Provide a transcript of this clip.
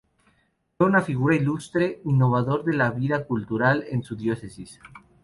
Fue una figura ilustre, innovador de la vida cultural en su diócesis.